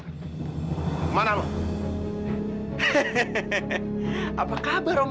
tante harus bersih